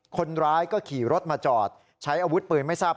คนร้ายก็ขี่รถมาจอดใช้อาวุธปืนไม่ทราบ